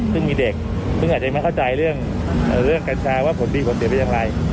ซึ่งมีเด็กซึ่งอาจจะไม่เข้าใจเรื่องกัญชาว่าผลดีผลเสียไปอย่างไร